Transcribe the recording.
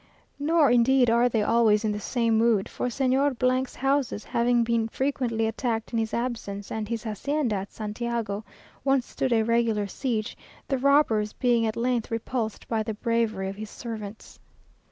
Nor, indeed, are they always in the same mood, for Señor 's houses have been frequently attacked in his absence, and his hacienda at Santiago once stood a regular siege, the robbers being at length repulsed by the bravery of his servants.